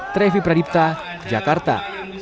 trevi pradipta jakarta